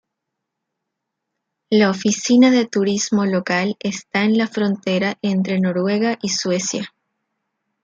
La oficina de turismo local esta en la frontera entre Noruega y Suecia.